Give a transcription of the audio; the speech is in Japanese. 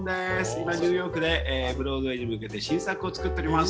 今ニューヨークでブロードウェイに向けて新作を作っております。